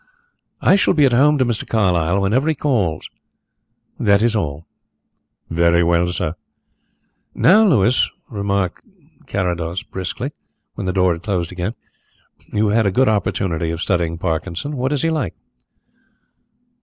"I shall be at home to Mr. Carlyle whenever he calls. That is all." "Very well, sir." "Now, Louis," remarked Mr. Carrados briskly, when the door had closed again, "you have had a good opportunity of studying Parkinson. What is he like?"